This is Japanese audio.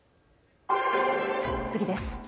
次です。